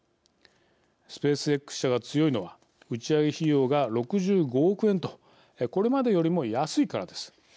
スペースＸ社が強いのは打ち上げ費用が６５億円とこれまでよりも安いからです。